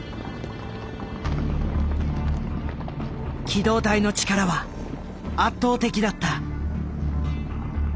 機動隊の力は圧倒的だった。